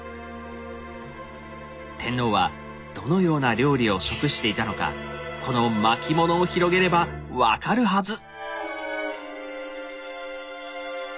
天皇はどのような料理を食していたのかこの巻物を広げれば分かるはず！